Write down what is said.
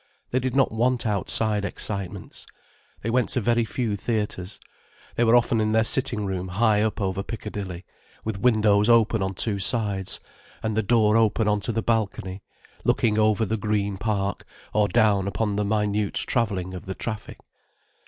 They did not want outside excitements. They went to very few theatres, they were often in their sitting room high up over Piccadilly, with windows open on two sides, and the door open on to the balcony, looking over the Green Park, or down upon the minute travelling of the traffic.